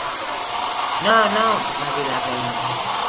'No, no!', va dir la reina.